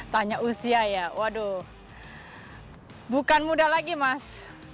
tanya usia ya waduh bukan muda lagi mas lima puluh enam